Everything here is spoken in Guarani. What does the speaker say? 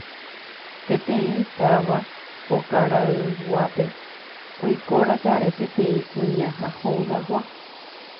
peteĩ táva okarayguápe oikóraka'e peteĩ kuña ha hogaygua